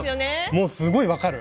もうすごい分かる。